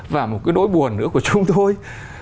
và một cái đối buồn nữa của chúng tôi